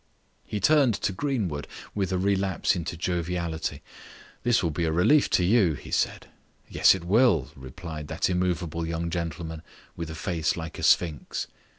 He turned to Greenwood with a relapse into joviality. "This will be a relief to you," he said. "Yes, it will," replied that immovable young gentleman with a face like a sphinx.